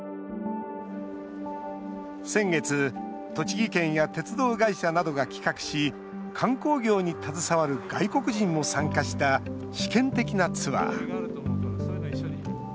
先月、栃木県や鉄道会社などが企画し観光業に携わる外国人も参加した試験的なツアー。